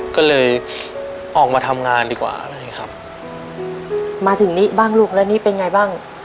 ก็เลยออกมาทำงานดีกว่าอะไรครับมาถึงนี้บ้างลูกแล้วนี่เป็นไงบ้าง